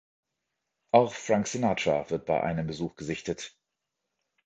Auch Frank Sinatra wird bei einem Besuch gesichtet.